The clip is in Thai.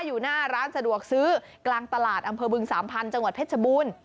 อยู่หน้าร้านสะดวกซื้อกลางตลาดอำเภอบึงสามพันธุ์จังหวัดเพชรบูรณ์